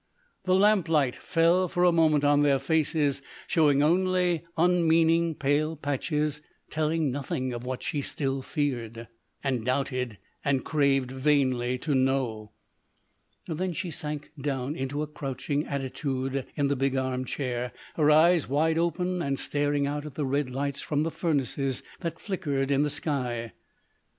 The lamplight fell for a moment on their faces, showing only unmeaning pale patches, telling nothing of what she still feared, and doubted, and craved vainly to know. Then she sank down into a crouching attitude in the big arm chair, her eyes wide open and staring out at the red lights from the furnaces that flickered in the sky.